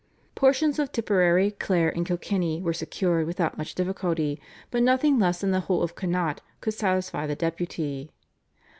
Portions of Tipperary, Clare, and Kilkenny were secured without much difficulty, but nothing less than the whole of Connaught would satisfy the Deputy.